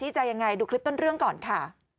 ใช่ค่ะ